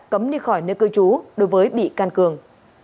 cấm đi khỏi nơi cư trú đối với bị can cường